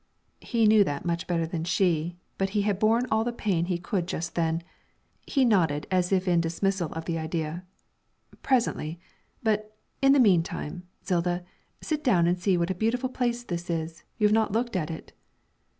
He knew that much better than she, but he had borne all the pain he could just then. He nodded as if in dismissal of the idea. 'Presently. But, in the meantime, Zilda, sit down and see what a beautiful place this is; you have not looked at it.'